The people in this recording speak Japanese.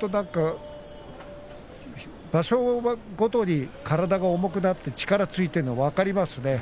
本当に場所ごとに体が重くなって力がついているのが分かりますね。